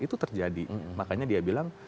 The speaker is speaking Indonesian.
itu terjadi makanya dia bilang